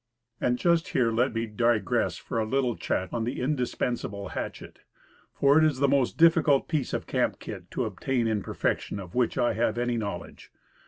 And just here let me digress for a little chat on the indispensable hatchet; for it is the most difficult piece of camp kit to obtain in perfection of which I have any knowledge.